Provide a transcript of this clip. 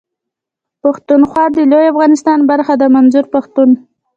پښتونخوا د لوی افغانستان برخه ده منظور پښتون.